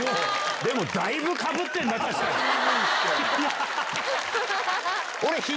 でもだいぶかぶってんな、確かに。